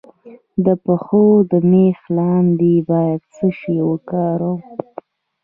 د پښو د میخ لپاره باید څه شی وکاروم؟